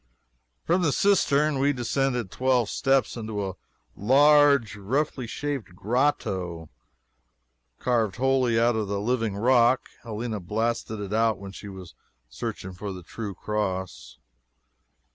From the cistern we descended twelve steps into a large roughly shaped grotto, carved wholly out of the living rock. Helena blasted it out when she was searching for the true Cross.